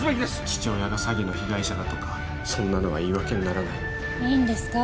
父親が詐欺の被害者だとかそんなのは言い訳にならないいいんですか？